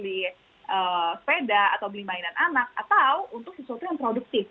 beli sepeda atau beli mainan anak atau untuk sesuatu yang produktif